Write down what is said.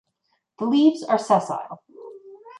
The leaves are sessile.